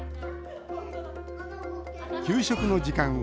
給食の時間。